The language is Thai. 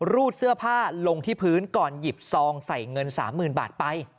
รูดเสื้อผ้าลงที่พื้นก่อนหยิบซองใส่เงิน๓๐๐๐บาทไป